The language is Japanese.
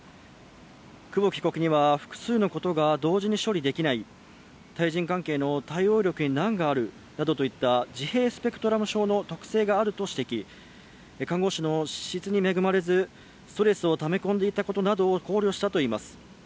久保木被告には複数のことが同時に処理できない対人関係の対応力に難があるといった自閉スペクトラム症の資質があり看護師の資質に恵まれずストレスをため込んでいたことなどを考慮したといいます。